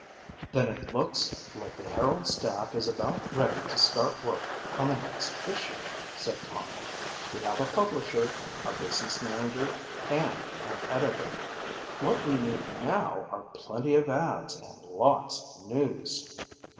"Then it looks like the Herald staff is about ready to start work on the next issue," said Tom. "We have a publisher, a business manager and an editor. What we need now are plenty of ads and lots of news."